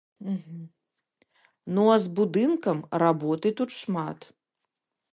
Ну а з будынкам работы тут шмат.